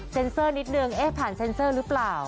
เซอร์นิดนึงเอ๊ะผ่านเซ็นเซอร์หรือเปล่า